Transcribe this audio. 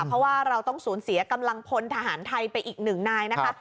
เพราะว่าเราต้องสูญเสียกำลังพลทหารไทยไปอีกหนึ่งนายนะคะ